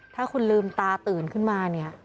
ถ้าคุณลืมตาตื่นขึ้นมาเนี่ย